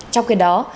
trong khi đó